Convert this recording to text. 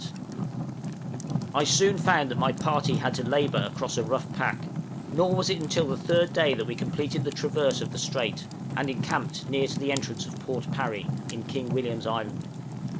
} I soon found that my party had to labor across a rough pack; nor was it until the third day that we completed the traverse of the strait, and encamped near to the entrance of Port Parry, in King William's Island.